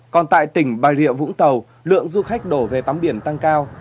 còn tại tỉnh bà rịa vũng tàu lượng du khách đổ về tắm biển tăng cao